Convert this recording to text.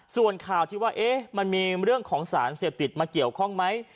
ส่วนข่าวที่ว่ามันมีเรื่องของสารเสพติดมาเกี่ยวข้องไหม